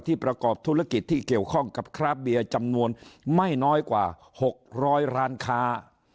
ประกอบธุรกิจที่เกี่ยวข้องกับคราบเบียร์จำนวนไม่น้อยกว่า๖๐๐ร้านค้า